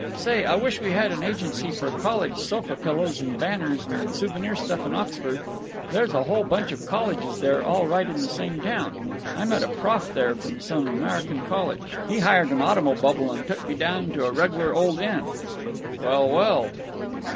Say, I wish we had an agency for college sofa pillows and banners and souvenir stuff in Oxford. There's a whole bunch of colleges there, all right in the same town. I met a prof. there from some American college—he hired an automobubble and took me down to a reg'lar old inn—" "Well, well!"